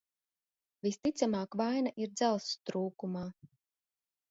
Visticamāk, vaina ir dzelzs trūkumā.